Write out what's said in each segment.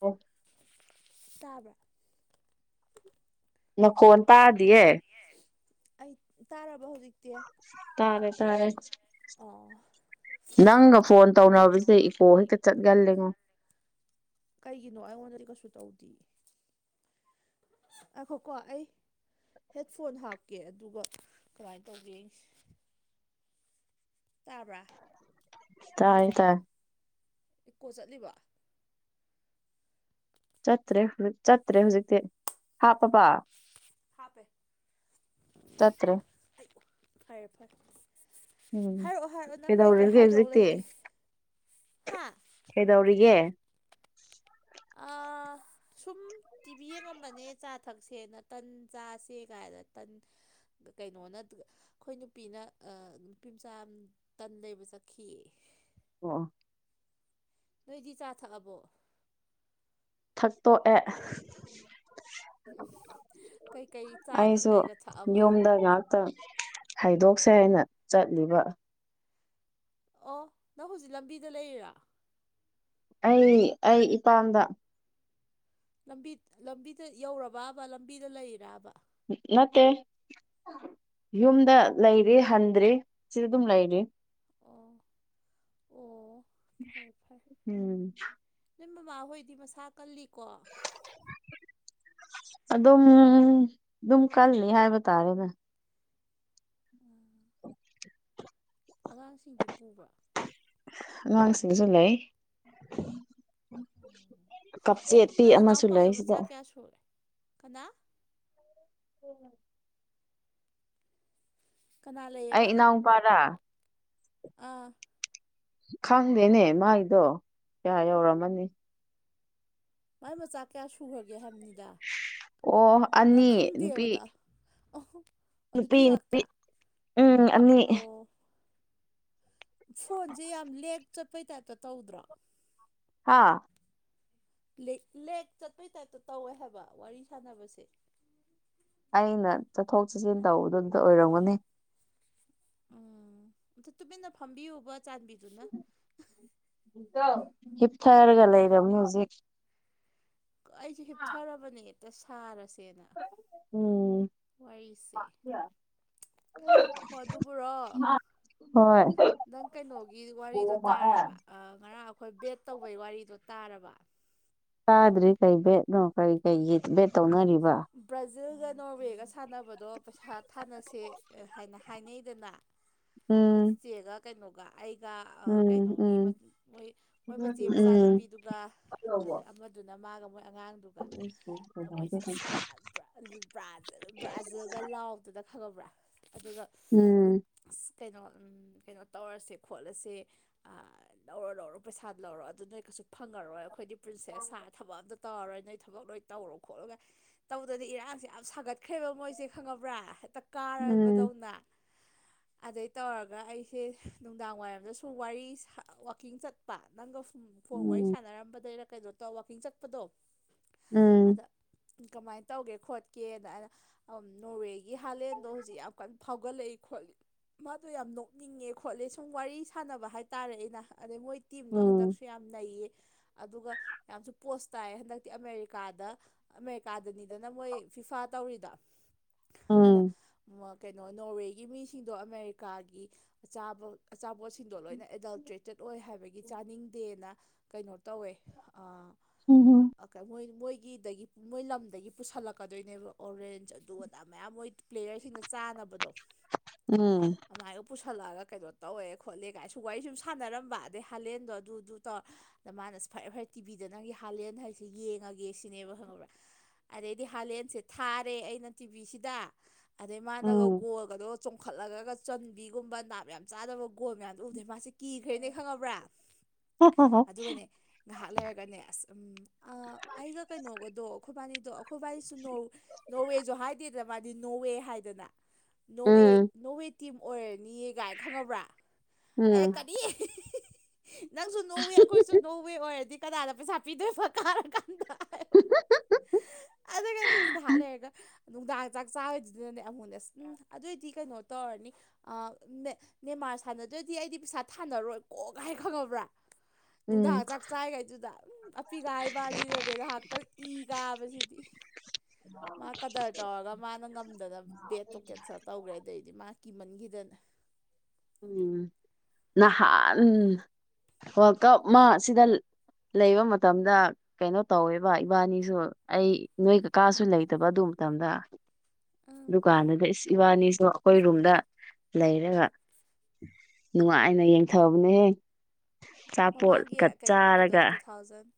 ꯑꯣ ꯇꯥꯕ ꯅꯪꯈꯣꯟ ꯇꯥꯗꯤꯌꯦ ꯑꯩ ꯇꯥꯔꯔꯕ ꯍꯧꯖꯤꯛ ꯇꯥꯔꯦ ꯇꯥꯔꯦ ꯑꯥ ꯅꯪꯒ ꯐꯣꯟ ꯇꯧꯅꯕꯁꯦ ꯏꯀꯣ ꯍꯦꯛꯇ ꯆꯠꯒꯜꯂꯦꯉꯣ ꯀꯩꯒꯤꯅꯣ ꯑꯩꯉꯣꯟꯗꯗꯤ ꯀꯩꯁꯨ ꯇꯧꯗꯦ ꯑꯈꯣ ꯀꯣ ꯑꯩ ꯍꯦꯠꯐꯣꯟ ꯍꯥꯞꯀꯦ ꯑꯗꯨꯒ ꯀꯃꯥꯏꯅ ꯇꯧꯒꯦꯡꯁ ꯇꯥꯕ꯭ꯔꯥ ꯇꯥꯏ ꯇꯥꯏ ꯏꯀꯣ ꯆꯠꯂꯤꯕ ꯆꯠꯇ꯭ꯔꯦ ꯆꯠꯇ꯭ꯔꯦ ꯍꯧꯖꯤꯛꯇꯤ ꯍꯥꯞꯄꯕ ꯆꯠꯇ꯭ꯔꯕ ꯍꯥꯞꯄꯦ ꯇꯠꯇ꯭ꯔꯦ ꯐꯔꯦ ꯐꯔꯦ ꯎꯝ ꯍꯥꯏꯔꯛꯑꯣ ꯍꯥꯏꯔꯛꯑꯣ ꯅꯪ ꯀꯩꯀꯩ ꯀꯩꯗꯧꯔꯤꯒꯦ ꯍꯥꯏꯗ ꯍꯧꯖꯤꯛꯇꯤ ꯂꯩꯒꯦ ꯍꯥ ꯀꯩꯗꯧꯔꯤꯒꯦ ꯑꯥ ꯁꯨꯝ ꯇꯤꯚꯤ ꯌꯦꯡꯉꯝꯕꯅꯦ ꯆꯥ ꯊꯛꯁꯦꯅ ꯇꯟ ꯆꯥꯁꯦ ꯀꯥꯏꯅ ꯇꯟ ꯀꯩꯅꯣꯅ ꯑꯩꯈꯣꯏ ꯅꯨꯄꯤꯅ ꯑ ꯅꯨꯄꯤ ꯃꯆꯥ ꯌꯥꯝ ꯇꯟ ꯂꯩꯕ ꯆꯠꯈꯤꯌꯦ ꯑꯣ ꯅꯣꯏꯗꯤ ꯆꯥ ꯊꯛꯑꯕꯣ ꯊꯛꯇꯣꯛꯑꯦ ꯀꯩꯀꯩ ꯆꯥꯒ ꯑꯩꯁꯨꯣ ꯀꯩꯒ ꯊꯛꯑꯕ ꯅꯣꯝꯗꯒ ꯉꯥꯏꯍꯥꯛꯇ ꯍꯥꯏꯗꯣꯛꯁꯦ ꯍꯥꯏꯅ ꯆꯠꯂꯤꯕ ꯑꯣ ꯅꯪ ꯍꯧꯖꯤꯛ ꯂꯝꯕꯤꯗ ꯂꯩꯔꯤꯔꯥ ꯑꯩ ꯑꯩ ꯏꯄꯥꯝꯗ ꯕꯤ ꯂꯝꯕꯤꯗ ꯌꯧꯔꯕꯕ ꯂꯝꯕꯤꯗ ꯂꯩꯔꯕꯕ ꯅꯠꯇꯦ ꯌꯨꯝꯗ ꯂꯩꯔꯤ ꯍꯟꯗ꯭ꯔꯔꯤ ꯁꯤꯗ ꯑꯗꯨꯝ ꯂꯩꯔꯤ ꯑꯣ ꯑꯣ ꯐꯔꯦ ꯐꯔꯦ ꯎꯝ ꯅꯣꯏ ꯃꯃꯥꯍꯣꯏꯗꯤ ꯃꯁꯥ ꯀꯜꯂꯤꯀꯣ ꯑꯗꯨꯝ ꯑꯗꯨꯝ ꯀꯜꯂꯤ ꯍꯥꯏꯕ ꯇꯥꯔꯦꯅꯦ ꯎꯝ ꯑꯉꯥꯡꯁꯤꯡꯗꯤ ꯄꯨꯕ꯭ꯔꯥ ꯉꯥꯡꯁꯤꯡꯁꯨ ꯂꯩ ꯀꯞꯆꯦꯠꯄꯤ ꯑꯃꯁꯨ ꯂꯩ ꯁꯤꯗ ꯇꯁꯨꯔꯦ ꯀꯅꯥ ꯎꯝ ꯀꯅꯥ ꯑꯩ ꯂꯩꯌꯦꯕ ꯏꯅꯥꯎꯨꯄꯥꯗ ꯑꯥ ꯈꯪꯗꯦꯅꯦ ꯃꯥꯏꯗꯣ ꯀꯌꯥ ꯌꯧꯔꯝꯃꯅꯤ ꯃꯥꯏ ꯃꯆꯥꯥꯛ ꯀꯌꯥ ꯁꯨꯈ꯭ꯔꯒꯦ ꯍꯥꯏꯕꯅꯤꯗ ꯑꯣ ꯅꯪ ꯑꯅꯤ ꯅꯨꯄꯤ ꯈꯪꯗꯦꯕꯗ ꯑ ꯅꯨꯄꯤ ꯉꯥꯛꯇ ꯎꯝ ꯑꯅꯤ ꯑꯣ ꯐꯣꯟꯁꯦ ꯌꯥꯝ ꯂꯦꯛ ꯆꯠꯄꯩ ꯇꯥꯏꯞꯇ ꯇꯧꯗ꯭ꯔꯣ ꯍꯥꯥ ꯂꯦꯛ ꯆꯠꯄꯩ ꯇꯥꯏꯞꯇ ꯇꯧꯋꯦ ꯍꯥꯏꯕ ꯋꯥꯔꯤ ꯁꯥꯟꯅꯕꯁꯦ ꯑꯩꯅ ꯆꯠꯊꯣꯛ ꯆꯠꯁꯤꯟ ꯇꯧꯕꯗꯣ ꯑꯝꯇ ꯑꯣꯏꯔꯝꯒꯅꯤ ꯎꯝ ꯑ ꯇꯨꯃꯤꯟꯅ ꯐꯝꯕꯤꯌꯣꯕ ꯆꯥꯟꯕꯤꯗꯨꯅ ꯍꯤꯞꯊꯔꯒ ꯂꯩꯔꯕꯅꯦ ꯍꯧꯖꯤꯛ ꯑꯩꯁꯦ ꯍꯤꯞꯊꯔꯕꯅꯦ ꯍꯦꯛꯇ ꯁꯥꯔꯁꯦꯅ ꯎꯝ ꯍ ꯑꯗꯨꯕꯨ꯭ꯔꯣ ꯍꯣꯏ ꯅꯪ ꯀꯩꯅꯣꯒꯤ ꯋꯥꯔꯤꯗꯣ ꯇꯥꯔꯕ ꯉꯔꯥꯡ ꯑꯩꯈꯣꯏ ꯕꯦꯠ ꯇꯧꯕꯩ ꯋꯥꯔꯤꯗꯣ ꯇꯥꯔꯕ ꯆꯥꯗ꯭ꯔꯤ ꯀꯔꯤ ꯕꯦꯠꯅꯣ ꯀꯔꯤ ꯀꯩꯒꯤ ꯕꯦꯠ ꯇꯧꯅꯔꯤꯕ ꯕ꯭ꯔꯥꯖꯤꯜꯒ ꯅꯣꯔꯋꯦꯒ ꯁꯥꯟꯅꯕꯗꯣ ꯄꯩꯁꯥ ꯊꯥꯅꯁꯦ ꯍꯥꯏꯅ ꯍꯥꯏꯅꯩꯗꯅ [inaudible] ꯈꯨꯠ ꯆꯦꯒ ꯀꯩꯅꯣꯒ ꯑꯩꯒ ꯎꯝ ꯀꯩꯅꯣꯒꯤ ꯃꯣꯏ ꯎꯝ ꯃꯣꯏ ꯃꯆꯦ ꯎꯝ ꯃꯆꯥꯅꯨꯄꯤꯗꯨꯒ ꯑꯗ ꯑꯃꯗꯨꯅ ꯃꯥꯒ ꯃꯣꯏ ꯑꯉꯥꯡꯗꯨꯒ ꯅ ꯃꯣꯏꯁꯦ ꯑꯁ ꯄꯨꯔꯥ ꯕ꯭ꯔꯥꯖꯤꯜ ꯕ꯭ꯔꯥꯖꯤꯜꯒ ꯂꯥꯎꯗꯨꯗ ꯈꯪꯉꯕ꯭ꯔꯥ ꯑꯗꯨꯒ ꯎꯝ ꯑꯁ ꯀꯩꯅꯣ ꯀꯩꯅꯣ ꯇꯧꯔꯁꯦ ꯈꯣꯠꯂꯁꯦ ꯑ ꯂꯧꯔꯣ ꯂꯧꯔꯣ ꯄꯩꯁꯥ ꯂꯧꯔꯣ ꯑꯗꯨ ꯅꯣꯏ ꯀꯩꯁꯨ ꯐꯪꯉꯔꯣꯏ ꯑꯩꯈꯣꯏꯗꯤ ꯄ꯭ꯔꯤꯟꯁꯦꯁ ꯁꯥꯔ ꯊꯕꯛ ꯑꯝꯇ ꯇꯧꯔꯔꯣꯏ ꯅꯣꯏ ꯊꯕꯛ ꯂꯣꯏ ꯇꯧꯔꯣ ꯈꯣꯠꯂꯣꯒꯥꯢꯅ ꯇꯧꯗꯗꯤ ꯏꯔꯥꯡꯁꯦ ꯌꯥꯝ ꯁꯥꯒꯠꯈ꯭ꯔꯦꯕ ꯃꯣꯏꯁꯦ ꯈꯪꯉꯕ꯭ꯔꯥ ꯍꯦꯛꯇ ꯎꯝ ꯀꯥꯔꯕꯗꯧꯅ [inaudible] ꯑꯗꯩ ꯇꯧꯔꯒ ꯑꯩꯁꯦ ꯅꯨꯡꯗꯥꯡ ꯋꯥꯏꯔꯝꯗꯁꯨ ꯋꯥꯔꯤ ꯋꯥꯀꯤꯡ ꯆꯠꯄ ꯅꯪꯒ ꯐꯣꯟ ꯋꯥꯔꯤ ꯎꯝ ꯁꯥꯟꯅꯔꯝꯕꯗꯩꯔ ꯀꯩꯅꯣ ꯇꯧꯔ ꯋꯥꯛꯀꯤꯡ ꯆꯠꯄꯗꯣ ꯑꯗ ꯎꯝ ꯀꯃꯥꯏꯅ ꯇꯧꯒꯦ ꯈꯣꯠꯀꯦꯅ ꯑꯗ ꯅꯣꯔꯋꯦꯒꯤ ꯍꯥꯂꯦꯟꯗꯣ ꯍꯧꯖꯤꯛ ꯌꯥꯝ ꯀꯟꯅ ꯐꯥꯎꯒꯠꯂꯛꯏ ꯈꯣꯠꯂꯤ ꯃꯥꯗꯣ ꯌꯥꯝ ꯅꯣꯛꯅꯤꯡꯉꯦ ꯈꯣꯠꯂꯦ ꯁꯨꯝ ꯋꯥꯔꯤ ꯁꯥꯟꯅꯕ ꯍꯥꯏꯇꯥꯔꯦ ꯑꯩꯅ ꯑꯗꯩ ꯃꯣꯏ ꯇꯤꯝꯗꯣ ꯎꯝ ꯍꯟꯗꯛꯁꯨ ꯌꯥꯝ ꯅꯩꯌꯦ ꯑꯗꯨꯒ ꯌꯥꯝꯁꯨ ꯄꯣꯁ ꯇꯥꯏ ꯍꯟꯗꯛꯇꯤ ꯑꯃꯦꯔꯤꯀꯥꯗ ꯀꯥꯗꯅꯤꯗꯅ ꯃꯣꯏ ꯐꯤꯐꯥ ꯇꯧꯔꯤꯗꯣ ꯑꯗ ꯎꯝ ꯀꯩꯅꯣ ꯅꯣꯔꯋꯦꯒꯤ ꯃꯤꯁꯤꯡꯗꯣ ꯑꯃꯦꯔꯤꯀꯥꯒꯤ ꯑꯆꯥꯕ ꯑꯆꯥꯄꯣꯠꯁꯤꯡꯗꯣ ꯂꯣꯏꯅ ꯑꯦꯗꯜꯇ꯭ꯔꯦꯇꯦꯠ ꯑꯣꯏ ꯍꯥꯏꯕꯒꯤ ꯆꯥꯅꯤꯡꯗꯦꯅ ꯀꯩꯅꯣ ꯇꯧꯋꯦ ꯑ ꯍꯝ ꯍꯝ ꯑꯣꯀ ꯃꯣꯏ ꯃꯣꯏꯒꯤꯗꯒꯤ ꯃꯣꯏ ꯂꯝꯗꯒꯤ ꯄꯨꯁꯜꯂꯛꯀꯗꯣꯏꯅꯦꯕ ꯑꯣꯔꯦꯟꯖ ꯑꯗꯨ ꯑꯗꯥ ꯃꯌꯥꯝ ꯃꯣꯏ ꯄ꯭ꯂꯦꯌꯔꯁꯤꯡꯅ ꯆꯥꯅꯕꯗꯣ ꯎꯝ ꯑꯗꯨꯃꯥꯏꯒ ꯄꯨꯁꯜꯂꯛꯑꯒ ꯀꯩꯅꯣ ꯇꯧꯋꯦ ꯈꯣꯠꯂꯦ ꯀꯥꯏꯁꯨ ꯋꯥꯔꯤ ꯁꯨꯝ ꯁꯥꯟꯅꯔꯝꯕ ꯑꯗꯩ ꯍꯥꯂꯦꯟꯗꯣ ꯑꯗꯨꯗꯨ ꯇꯧꯔ ꯑꯗ ꯃꯥꯅ ꯐ ꯐꯥꯏ ꯇꯤꯕꯤꯗ ꯅꯪꯒꯤ ꯍꯥꯜꯂꯦꯅ ꯍꯥꯏꯁꯦ ꯌꯦꯡꯉꯒꯦ ꯁꯤꯅꯦꯕ ꯈꯪꯉꯕ꯭ꯔꯥ ꯑꯗꯩꯗꯤ ꯍꯥꯂꯦꯟꯁꯦ ꯊꯥꯔꯦ ꯑꯩꯅ ꯇꯤꯚꯤꯁꯤꯗ ꯑꯗꯩ ꯃꯥꯅꯒ ꯎꯝ ꯒꯣꯜꯒꯗꯣ ꯆꯣꯡꯈꯠꯂꯒ ꯆꯟꯕꯤꯒꯨꯝꯕ ꯅꯥꯞ ꯌꯥꯝ ꯆꯥꯗꯕ ꯒꯣꯜ ꯃꯌꯥꯝꯗꯨ ꯎꯕꯗꯩ ꯃꯥꯁꯤ ꯀꯤꯈ꯭ꯔꯦꯅꯦ ꯈꯪꯉꯕ꯭ꯔꯥ ꯑꯗꯨꯒꯅꯦ ꯉꯥꯏꯍꯥꯛ ꯂꯩꯔꯒꯅꯦ ꯑꯁ ꯑ ꯑꯩꯒ ꯀꯩꯅꯣꯒꯗꯣ ꯑꯩꯈꯣꯏꯕꯥꯅꯤꯗꯣ ꯑꯩꯈꯣꯏꯕꯥꯅꯤꯁꯨ ꯅꯣꯋꯦꯁꯨ ꯍꯥꯏꯗꯤ ꯃꯥꯗꯤ ꯅꯣꯋꯦ ꯍꯥꯏꯗꯅ ꯅꯣꯋꯦ ꯅꯣꯋꯦ ꯇꯤꯝ ꯑꯣꯏꯔꯅꯤꯒꯥꯏꯅ ꯈꯪꯉꯕ꯭ꯔꯥ ꯑꯩꯅ ꯎꯝ ꯀꯔꯤ ꯅꯪꯁꯨ ꯅꯣꯋꯦ ꯑꯩꯈꯣꯏꯁꯨ ꯅꯣꯋꯦ ꯑꯣꯏꯔꯗꯤ ꯀꯅꯥꯗ ꯄꯩꯁꯥ ꯄꯤꯗꯣꯏꯕ ꯀꯥꯔ ꯀꯥꯟꯗ [unintelligible] ꯑꯗꯨꯒꯗꯤ ꯏꯁ ꯉꯍꯥꯛ ꯂꯩꯔꯒ ꯅꯨꯡꯗꯥꯡ ꯆꯥꯛ ꯆꯥꯕꯩꯗꯨꯗꯨꯅꯦ ꯑꯩꯉꯣꯟꯗ ꯑꯁ ꯎꯝ ꯑꯗꯨꯑꯣꯏꯗꯤ ꯀꯩꯅꯣ ꯇꯧꯔꯅꯤ ꯅꯦꯃꯥꯔ ꯁꯥꯟꯅꯗ꯭ꯔꯗꯤ ꯑꯩꯗꯤ ꯄꯩꯁꯥ ꯊꯥꯅꯔꯣꯏꯀꯣ ꯒꯥꯏ ꯈꯪꯉꯕ꯭ꯔꯥ ꯅꯨꯡꯗꯥ ꯎꯝ ꯆꯥꯛ ꯆꯥꯏꯈꯩꯗꯨꯗ ꯑꯄꯤꯒꯥꯏ ꯏꯕꯥꯅꯤꯅꯦ ꯉꯥꯏꯍꯥꯛꯇꯪ ꯏ ꯀꯥꯕꯁꯤꯗꯤ ꯃꯥ ꯀꯗꯔ ꯇꯧꯔꯒ ꯃꯥꯅ ꯉꯝꯗꯅ ꯕꯦꯗꯇꯣ ꯀꯦꯟꯁꯦꯜ ꯇꯧꯋꯦ ꯇꯧꯈ꯭ꯔꯦ ꯑꯗꯩꯗꯤ ꯃꯥ ꯀꯤꯃꯟꯈꯤꯗꯅ ꯎꯝ ꯅꯍꯥꯟ ꯋꯥꯔꯜ ꯀꯞ ꯑꯃ ꯁꯤꯗ ꯂꯩꯕ ꯃꯇꯝꯗ ꯀꯩꯅꯣ ꯇꯧꯋꯦꯕ ꯏꯕꯥꯅꯤꯁꯨ ꯑꯩ ꯅꯣꯏ ꯀꯀꯥꯁꯨ ꯂꯩꯇꯕ ꯑꯗꯨ ꯃꯇꯝꯗ ꯎꯝ ꯗꯨꯀꯥꯟꯗꯒ ꯏꯁ ꯏꯕꯥꯅꯤꯁꯨ ꯑꯩꯈꯣꯏ ꯔꯨꯝꯗ ꯂꯩꯔꯒ ꯅꯨꯡꯉꯥꯏꯅ ꯌꯦꯡꯊꯕꯅꯦꯍꯌꯦ ꯃꯃꯥꯡꯒꯤ ꯑꯆꯥꯄꯣꯠꯀ ꯀꯩꯅꯣꯒꯤꯗꯣ ꯆꯥꯔꯒ ꯇꯨ ꯊꯥꯎꯖꯟ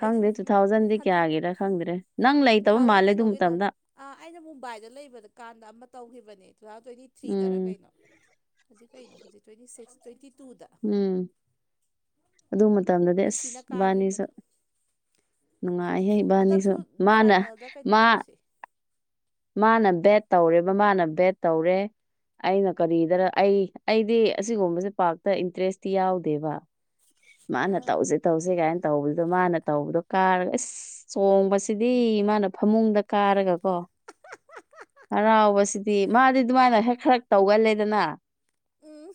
ꯑꯩꯁꯨ ꯇꯨ ꯎꯝ ꯊꯥꯎꯖꯟꯗꯤ ꯍꯟꯗꯛ ꯀꯌꯥꯒꯤꯔ ꯈꯪꯗ꯭ꯔꯦ ꯅꯪ ꯇꯨ ꯂꯩꯇꯕ ꯊꯥꯎꯖꯟ ꯃꯥꯜꯂꯦ ꯑꯗꯨ ꯀꯩꯅꯣꯒꯤꯗꯣ ꯃꯇꯝꯗ ꯑ ꯑꯩꯅ ꯃꯨꯝꯕꯥꯏꯗ ꯂꯩꯕꯗ ꯀꯥꯟꯗ ꯑꯃ ꯇꯧꯈꯤꯕꯅꯦ ꯇꯨ ꯊꯥꯎꯖꯟ ꯇ꯭ꯋꯦꯟꯇꯤ ꯊ꯭ꯔꯤꯗꯔ ꯎꯝ ꯀꯩꯅꯣ ꯍꯧꯖꯤꯛ ꯀꯩꯅꯣ ꯍꯧꯖꯤꯛ ꯇ꯭ꯋꯦꯟꯇꯤ ꯁꯤꯛꯁ ꯇ꯭ꯋꯦꯟꯇꯤ ꯇꯨꯗ ꯎꯝ ꯑꯗꯨ ꯃꯇꯝꯗꯗꯤ ꯑꯁ ꯃꯦꯁꯤꯅ ꯏꯕꯥꯅꯤ ꯁꯨ ꯀꯥꯈꯤꯕꯗꯣ ꯅꯨꯡꯉꯥꯏꯍꯦ ꯏꯕꯥꯅꯤꯁꯨ ꯍꯟꯗꯛꯁꯨ ꯃꯥꯅ ꯐꯥꯏꯅꯦꯜꯗ ꯀꯩꯅꯣ ꯃꯥ ꯇꯧꯁꯦ ꯃꯥꯅ ꯕꯦꯠ ꯇꯧꯔꯦꯕ ꯃꯥꯅ ꯕꯦꯠ ꯇꯧꯔꯦ ꯑꯩꯅ ꯀꯔꯤꯗꯔ ꯑꯩ ꯑꯩꯗꯤ ꯑꯁꯤꯒꯨꯝꯕꯁꯦ ꯄꯥꯛꯔꯇ ꯏꯟꯇꯔꯦꯁꯇꯤ ꯌꯥꯎꯗꯦꯕ ꯃꯥꯅ ꯑꯥ ꯇꯧꯁꯦ ꯇꯧꯁꯦ ꯀꯥꯏꯅ ꯇꯧꯕꯗꯨꯗꯣ ꯃꯥꯅ ꯇꯧꯕꯗꯣ ꯀꯥꯔꯒ ꯏꯁ ꯆꯣꯡꯕꯁꯤꯗꯤ ꯃꯥꯅ ꯐꯃꯨꯡꯗ ꯀꯥꯔꯒ ꯀꯣ ꯍꯔꯥꯎꯕꯁꯤꯗꯤ ꯃꯥꯗꯤ ꯑꯗꯨꯃꯥꯏꯅ ꯍꯦꯛ ꯈꯔ ꯇꯧꯒꯜꯂꯦꯗꯅ ꯎꯝ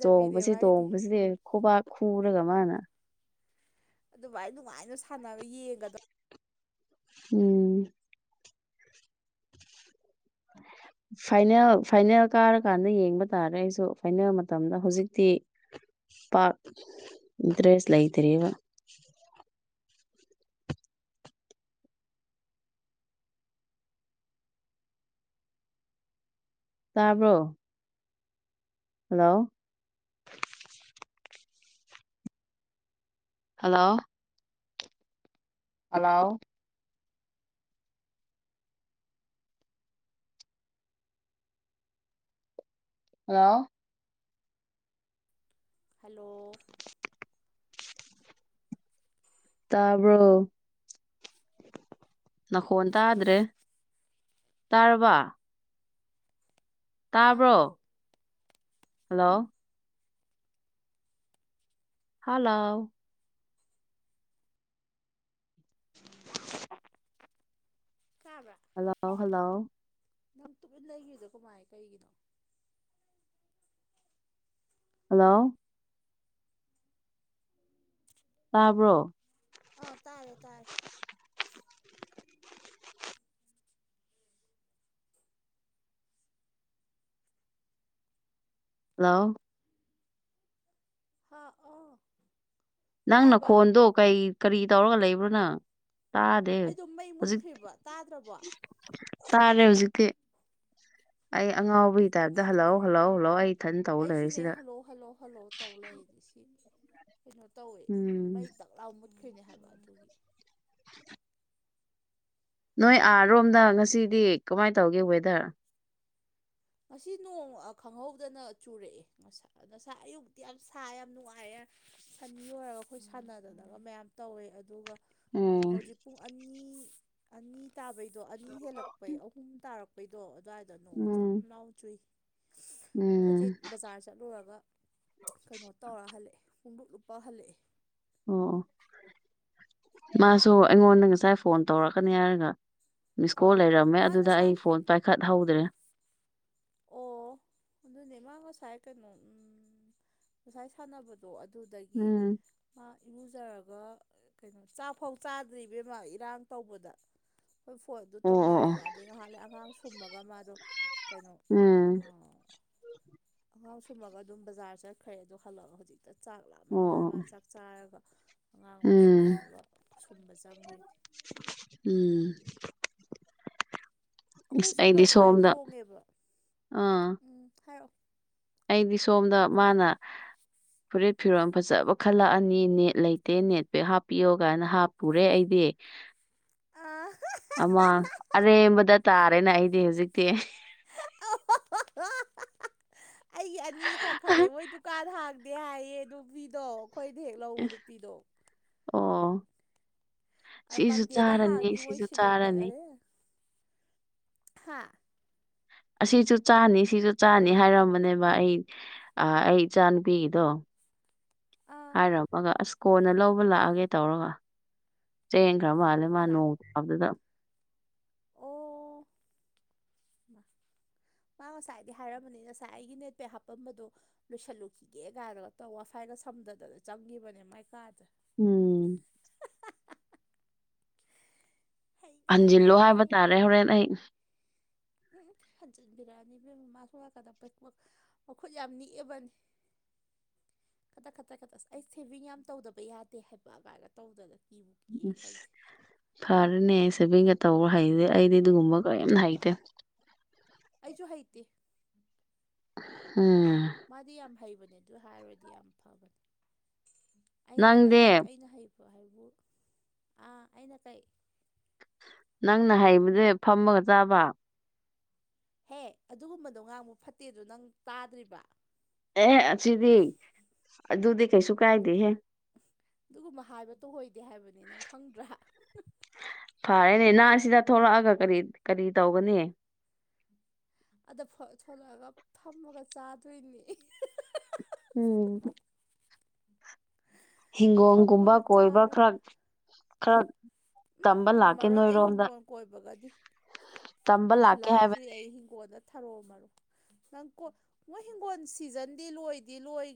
ꯆꯣꯡꯕꯁꯤ ꯑꯩꯗꯤ ꯇꯣꯡꯕꯁꯤꯗꯤ ꯈꯨꯕ ꯈꯔꯒ ꯃꯥꯅ ꯑꯗꯨ ꯚ ꯑꯩ ꯅꯨꯡꯉꯥꯏꯅ ꯁꯥꯟꯅꯔ ꯌꯦꯡꯒꯗ ꯎꯝ [inaudible] ꯐꯥꯏꯅꯦꯜ ꯐꯥꯏꯅꯦꯜ ꯀꯥꯔꯀꯥꯟꯗ ꯌꯦꯡꯕ ꯇꯥꯔꯦ ꯑꯩꯁꯨ ꯐꯥꯏꯅꯦꯜ ꯃꯇꯝꯗ ꯍꯧꯖꯤꯛꯇꯤ ꯄꯥꯛ ꯏꯟꯇꯔꯦꯁ ꯂꯩꯇ꯭ꯔꯦꯔꯤꯕ ꯇꯥꯕ꯭ꯔꯣ ꯍꯜꯂꯣ ꯍꯜꯂꯣ ꯑꯂꯥꯎ ꯍꯜꯂꯣ ꯍꯜꯂꯣ ꯇꯥꯕꯔꯣ ꯅꯈꯣꯟ ꯇꯥꯗ꯭ꯔꯦ ꯇꯥꯔꯕ ꯇꯥꯕ꯭ꯔꯣ ꯍꯜꯂꯣ ꯍꯜꯂꯣ ꯀꯥꯕ꯭ꯔꯥ ꯍꯜꯂꯣ ꯍꯜꯂꯣ ꯅꯪ ꯇꯨꯃꯤꯟ ꯂꯩꯈꯤꯕꯗꯣ ꯀꯃꯥꯏ ꯀꯩꯒꯤꯅꯣ ꯍꯜꯂꯣ ꯇꯥꯕ꯭ꯔꯣ ꯑ ꯇꯥꯔꯦ ꯇꯥꯔꯦ ꯍꯜꯂꯣ ꯍꯥꯥ ꯑꯣ ꯅꯪꯅ ꯇꯥꯔꯕ ꯈꯣꯟꯗꯣ ꯀꯩ ꯀꯔꯤ ꯇꯧꯔꯒ ꯂꯩꯕ꯭ꯔꯣꯅ ꯇꯥꯗꯦ ꯑꯩꯗꯣ ꯃꯩ ꯍꯧꯖꯤꯛ ꯃꯨꯠꯈ꯭ꯔꯤꯕ ꯇꯥꯗ꯭ꯔꯕꯣ ꯆꯥꯔꯦ ꯍꯧꯖꯤꯛꯇꯤ ꯑꯩ ꯑꯉꯥꯎ ꯑꯗꯨꯒꯤ ꯇꯥꯏꯞꯇ ꯍꯜꯂꯥꯎ ꯍꯜꯂꯧ ꯍꯜꯂꯥꯎ ꯑꯩ ꯊꯟ ꯇꯧ ꯑꯩꯁꯨꯅꯦ ꯂꯩꯔꯤꯁꯤꯗ ꯍꯜꯂꯣ ꯍꯜꯂꯣ ꯍꯜꯂꯣ ꯇꯧ ꯂꯩꯅꯦ ꯁꯤ ꯀꯩꯅꯣ ꯇꯧꯋꯦ ꯎ ꯎꯝ ꯃꯩ ꯇꯛꯂꯥꯎ ꯃꯨꯠꯈ꯭ꯔꯤꯅꯦ ꯍꯥꯏꯕ ꯑꯗꯨꯒꯤ ꯅꯣꯏ ꯑꯥꯔꯣꯝꯗ ꯉꯁꯤꯗꯤ ꯀꯃꯥꯏꯅ ꯇꯧꯒꯦ ꯋꯦꯗꯔ ꯉꯁꯤ ꯅꯣꯡ ꯈꯪꯍꯧꯗꯅ ꯆꯨꯔꯛꯑꯦ ꯁ ꯉꯁꯥ ꯑꯌꯨꯛꯇꯤ ꯌꯥꯝ ꯁꯥ ꯌꯥꯝ ꯅꯨꯡꯉꯥꯏꯌꯦ ꯁꯟꯅꯤ ꯑꯣꯏꯔꯒ ꯑꯩꯈꯣꯏ ꯁꯥꯟꯅꯗꯅꯒ ꯃꯌꯥꯝ ꯇꯧꯋꯦ ꯑꯗꯨꯒ ꯎꯝ ꯍꯧꯖꯤꯛ ꯄꯨꯡ ꯑꯅꯤ ꯑꯅꯤ ꯇꯥꯕꯩꯗꯣ ꯑꯅꯤ ꯍꯦꯜꯂꯛꯄꯩ ꯑꯍꯨꯝ ꯇꯥꯔꯛꯄ ꯀꯩꯗꯣ ꯑꯗꯨꯋꯥꯏꯗ ꯅꯣꯡ ꯌꯥꯝ ꯎꯝ ꯂꯥꯎ ꯆꯨꯏ ꯑꯩꯣꯏꯆꯦ ꯎꯝ ꯕꯖꯥꯔ ꯆꯠꯂꯨꯔꯒ ꯀꯩꯅꯣ ꯇꯧꯔ ꯍꯜꯂꯛꯑꯦ ꯐꯣꯡꯗꯣꯛꯂꯨꯨꯞꯄ ꯍꯜꯂꯛꯑꯦ ꯑꯣ ꯑꯣ ꯃꯥꯁꯨ ꯑꯩꯉꯣꯟꯗ ꯉꯁꯥꯏ ꯐꯣꯟ ꯇꯧꯔꯛꯀꯅꯤ ꯍꯥꯏꯔꯒ ꯃꯤꯁ ꯀꯣꯜ ꯂꯩꯔꯝ ꯃꯦ ꯃꯥ ꯑꯗꯨꯗ ꯉꯁꯥꯏ ꯑꯩ ꯐꯣꯟ ꯄꯥꯏꯈꯠꯍꯧꯗ꯭ꯔꯦ ꯑꯣ ꯑꯗꯨꯅꯦ ꯃꯥ ꯉꯁꯥꯏ ꯀꯩꯅꯣ ꯉꯁꯥꯏ ꯁꯥꯟꯅꯕꯗꯣ ꯑꯣ ꯑꯗꯨꯗꯒꯤ ꯎꯝ ꯃꯥ ꯏꯔꯨꯖꯔꯒ ꯀꯩꯅꯣ ꯆꯥꯛꯐꯧ ꯆꯥꯗ꯭ꯔꯤꯕꯕꯦꯝꯃ ꯏꯔꯥꯡ ꯇꯧꯕꯗ ꯍꯣꯏ ꯐꯣꯟ ꯑꯗꯨ ꯑꯣ ꯑꯣ ꯑꯣ ꯇꯧꯅꯔꯦꯅ ꯑꯗꯩ ꯅꯍꯥꯟꯂ ꯑꯉꯥꯡ ꯁꯨꯝꯃꯒ ꯃꯥꯗꯣ ꯀꯩꯅꯣ ꯎꯝ ꯑꯉꯥꯡ ꯁꯨꯝꯃꯒ ꯑꯗꯨꯝ ꯕꯖꯥꯔ ꯆꯠꯈ꯭ꯔꯦ ꯑꯗꯣ ꯍꯜꯂꯒ ꯍꯧꯖꯤꯛꯇ ꯆꯥꯛ ꯑꯣ ꯂꯥꯛꯃꯟꯗꯅ ꯃꯥ ꯑꯣ ꯆꯥꯛ ꯆꯥꯔꯒ ꯑꯉꯥꯡ ꯑꯃꯨꯛ ꯎꯝ ꯁꯨꯝꯃꯒ ꯑ ꯁꯨꯝꯕ ꯆꯥꯗꯩꯦ ꯎꯝ ꯑꯩꯈꯣꯏ ꯏꯁ ꯑꯩꯗꯤ ꯁꯨꯄꯔꯐꯥꯏꯟ ꯁꯣꯝꯗ ꯊꯣꯡꯉꯦꯕ ꯑꯥ ꯎꯝ ꯍꯥꯏꯔꯛꯑꯣ ꯑꯩꯗꯤ ꯁꯣꯝꯗ ꯃꯥꯅ ꯐꯨꯔꯤꯠ ꯐꯤꯔꯣꯟꯜ ꯐꯖꯕ ꯈꯜꯂꯛꯑꯅꯤ ꯅꯦꯠ ꯂꯩꯇꯦ ꯅꯦꯠꯄꯦꯛ ꯍꯥꯞꯄꯤꯌꯣ ꯀꯥꯏꯅ ꯍꯥꯞꯄꯨꯔꯦ ꯑꯩꯗꯤ ꯑꯥ ꯑꯃ ꯑꯔꯦꯝꯕꯗ ꯇꯥꯔꯦꯅ ꯑꯩꯗꯤ ꯍꯧꯖꯤꯛꯇꯤ ꯑ ꯍ ꯍ ꯑꯩꯒꯤ ꯑꯅꯤꯈꯛ ꯈꯜꯂꯦ ꯃꯣꯏ ꯗꯨꯀꯥꯟꯗ ꯍꯥꯡꯗꯦ ꯍꯥꯏꯌꯦ ꯑꯗꯨꯣ ꯐꯤꯗꯣ ꯑꯩꯈꯣꯏꯗꯤ ꯍꯦꯛ ꯂꯧꯕꯗꯨ ꯅꯨꯄꯤꯗꯣ ꯑꯣ ꯁꯤꯁꯨ ꯃꯟꯗꯦꯗ ꯆꯥꯔꯅꯤ ꯍꯥꯡꯅꯤ ꯃꯣꯏ ꯁꯤꯁꯨ ꯁꯤꯂꯣ ꯆꯥꯔꯅꯤ ꯍꯥ ꯑꯁꯤꯁꯨ ꯆꯥꯅꯤ ꯁꯤꯁꯨ ꯆꯥꯅꯤ ꯍꯥꯏꯔꯝꯕꯅꯦꯕ ꯑꯩ ꯑ ꯑꯩ ꯏꯆꯥ ꯅꯨꯨꯄꯤꯒꯤꯗꯣ ꯑꯥ ꯍꯥꯏꯔꯝꯃꯒ ꯑꯁ ꯀꯣꯟꯅ ꯂꯧꯕ ꯂꯥꯛꯑꯒꯦ ꯇꯧꯔꯒ ꯆꯦꯟ ꯈꯔ ꯃꯥꯜꯂ ꯂꯥꯛ ꯃꯥꯅꯣꯡ ꯈꯠꯇꯗ ꯑꯣ ꯃꯥ ꯉꯁꯥꯏꯗꯤ ꯍꯥꯏꯔꯝꯕꯅꯤ ꯉꯁꯥꯏ ꯑꯩꯒꯤ ꯅꯦꯠꯄꯦ ꯍꯥꯞꯄꯝꯕꯗꯣ ꯂꯣꯏꯁꯜꯂꯨꯈꯤꯒꯦ ꯀꯥꯏꯅꯒ ꯇ ꯋꯥ ꯐꯥꯏꯒ ꯁꯝꯊꯗꯅ ꯆꯪꯕꯅꯦ ꯃꯥꯏ ꯀꯥꯗꯅ ꯎꯝ ꯍꯟꯖꯤꯜꯂꯣ ꯍꯩꯅꯗꯦ ꯍꯥꯏꯕ ꯇꯥꯔꯦ ꯍꯣꯔꯦꯟ ꯑꯩ ꯎꯝꯖꯤ ꯕꯤꯔꯌꯥꯅꯤ ꯐꯃ ꯁꯣꯂꯀꯗ ꯃꯈꯨꯠ ꯌꯥꯝ ꯅꯤꯛꯑꯕꯅꯤ ꯈꯇꯛ ꯈꯠꯇꯛ ꯈꯛꯇ ꯑꯁ ꯑꯩ ꯁꯦꯚꯤꯡ ꯌꯥꯝ ꯇꯧꯗꯕ ꯌꯥꯗꯦ ꯍꯥꯏꯕ ꯑꯗꯨꯃꯥꯏꯗ ꯇꯧꯗꯅ ꯀꯤꯕꯨ ꯀꯤꯌꯦꯦ ꯈꯪꯗꯦ ꯐꯔꯅꯦ ꯁꯦꯚꯤꯡꯒ ꯇꯧꯕ ꯍꯩꯦ ꯑꯩꯗꯤ ꯑꯗꯨꯒꯨꯝꯕ ꯀꯔꯤꯝ ꯍꯩꯇꯦ ꯑꯩꯁꯨ ꯍꯩꯇꯦ ꯎꯝ ꯃꯥꯗꯤ ꯌꯥꯝ ꯍꯩꯕꯅꯦ ꯑꯗꯨ ꯍꯥꯏꯔꯗꯤ ꯌꯥꯝ ꯐꯕꯅꯦ ꯑꯩꯅ ꯑꯩ ꯅꯪꯗꯤ ꯑꯩꯅ ꯍꯩ ꯍꯥꯏꯕꯨ ꯑꯥ ꯑꯩꯅ ꯀꯩ ꯅꯪꯅ ꯍꯥꯏꯕꯁꯦ ꯐꯝꯃꯒ ꯆꯥꯕ ꯍꯦ ꯑꯗꯨꯒꯨꯝꯕꯗꯣ ꯉꯥꯡꯕ ꯐꯠꯇꯦꯗꯣ ꯅꯪ ꯇꯥꯗ꯭ꯔꯤꯕ ꯑꯦꯍ ꯑꯁꯤꯗꯤ ꯑꯗꯨꯗꯤ ꯀꯩꯁꯨ ꯀꯥꯏꯗꯦꯍꯦ ꯑꯗꯨꯒꯨꯝꯕ ꯍꯥꯏꯕ ꯇꯣꯍꯩꯗꯦ ꯍꯥꯏꯕꯅꯤ ꯅꯪ ꯈꯪꯗ꯭ꯔꯥ ꯐꯔꯦꯅꯦ ꯅꯍ ꯁꯤꯗ ꯊꯣꯛꯂꯛꯑꯒ ꯀꯔꯤ ꯀꯔꯤ ꯇꯧꯒꯅꯤ ꯑꯗ ꯊꯣꯂꯛꯑꯒ ꯐꯝꯃꯒ ꯆꯥꯗꯣꯏꯅꯦ ꯎꯝ ꯍꯤꯡꯒꯣꯜꯒꯨꯝꯕ ꯐꯝꯃꯒ ꯀꯣꯏꯕ ꯈꯔ ꯆꯥꯔꯒ ꯈꯔ ꯎꯝ ꯇꯝꯕ ꯂꯥꯛꯀꯦ ꯉꯝꯃꯔꯣꯏ ꯑꯩ ꯅꯣꯏꯔꯣꯝꯗ ꯍꯤꯡꯒꯣꯜ ꯀꯣꯏꯕꯒꯗꯤ ꯇꯝꯕ ꯂꯥꯛꯀꯦ ꯕ꯭ꯔꯤꯐꯨꯂꯥ ꯍꯥꯏꯕ ꯆꯨꯏ ꯑꯩ ꯍꯤꯡꯒꯣꯜꯗ ꯊꯔꯣ ꯃꯔꯣ ꯅꯪ ꯀꯣ ꯃꯣꯏ ꯍꯤꯡꯒꯣꯜ ꯁꯤꯖꯟꯗꯤ ꯂꯣꯏꯗꯤ ꯂꯣꯏ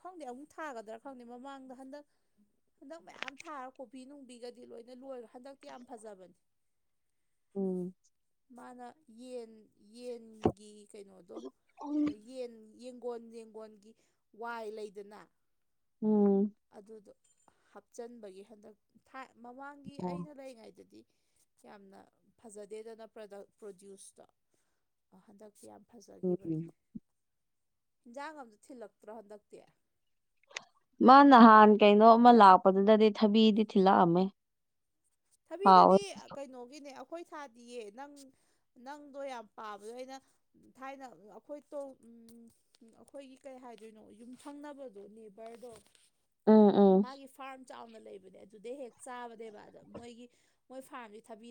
ꯈꯪꯗꯦ ꯑꯃꯨꯛ ꯊꯥꯒꯗ꯭ꯔꯥ ꯈꯪꯗꯦ ꯃꯃꯥꯡꯗ ꯍꯟꯗꯛ ꯍꯟꯗꯛ ꯃꯌꯥꯝ ꯊꯥꯔ ꯀꯣꯕꯤ ꯅꯨꯡꯕꯤꯒ ꯗꯤ ꯂꯣꯏꯅ ꯂꯣꯏꯔ ꯍꯟꯗꯛꯇꯤ ꯌꯥꯝ ꯐꯖꯕꯅꯦ ꯎꯝ ꯃꯥꯅ ꯌꯦꯟ ꯌꯦꯟꯒꯤ ꯀꯩꯅꯣꯗꯣ ꯌꯦꯟ ꯌꯦꯡꯒꯣꯟ ꯌꯦꯡꯒꯣꯟꯒꯤ ꯋꯥꯏ ꯂꯩꯗꯅ ꯎꯝ ꯑꯗꯨꯗꯣ ꯍꯥꯞꯆꯤꯟꯕꯒꯤ ꯍꯟꯗꯛ ꯊꯥꯏ ꯃꯃꯥꯡꯒꯤ ꯑꯣ ꯑꯩꯅ ꯂꯩꯔꯤꯉꯩꯗꯗꯤ ꯌꯥꯝꯅ ꯐꯖꯗꯦꯗꯅ ꯄ꯭ꯔꯗꯛ ꯄ꯭ꯔꯣꯗ꯭ꯌꯨꯁꯇꯣ ꯍꯟꯗꯛꯇꯤ ꯌꯥꯝ ꯎꯝ ꯐꯖꯈꯤꯕꯅꯦ ꯍꯤꯟꯖꯥꯡ ꯑꯝꯇ ꯊꯤꯜꯂꯛꯇ꯭ꯔꯣ ꯍꯟꯗꯛꯇꯤ ꯃꯥ ꯅꯍꯥꯟ ꯀꯩꯅꯣ ꯑꯃ ꯂꯥꯛꯄꯗꯨꯗꯗꯤ ꯊꯕꯤꯗꯤ ꯊꯤꯜꯂꯛꯑꯝꯃꯦ ꯍꯥꯎꯋꯦ ꯊꯕꯤꯗꯨꯗꯤ ꯀꯩꯅꯣꯒꯤꯅꯦ ꯑꯩꯣꯏ ꯊꯥꯗꯤꯌꯦ ꯅꯪ ꯅꯪꯗꯣ ꯌꯥꯝ ꯄꯥꯕꯗꯣ ꯑꯩꯅ ꯊꯥꯏꯅ ꯑꯩꯈꯣꯏ ꯇꯣ ꯎꯝ ꯑꯩꯈꯣꯏꯒꯤ ꯀꯩ ꯍꯥꯏꯗꯣꯏꯅꯣ ꯌꯨꯝꯊꯪꯅꯕꯗꯣ ꯅꯦꯕꯔꯗꯣ ꯎꯝ ꯎꯝ ꯃꯥꯒꯤ ꯐꯥꯔꯝ ꯆꯥꯎꯅ ꯂꯩꯕꯅꯦ ꯑꯗꯨꯗꯤꯩ ꯍꯦꯛ ꯆꯥꯕꯅꯦꯕ ꯑꯗꯣ ꯃꯣꯏꯒꯤ ꯃꯣꯏ ꯐꯥꯔꯝ ꯏ ꯊꯥꯕꯤ